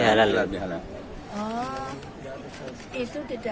maksudnya untuk menunda itu seperti apa pak